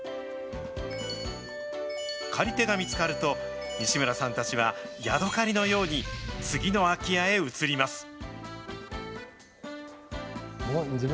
借り手が見つかると、西村さんたちはやどかりのように次の空き家へ移ります。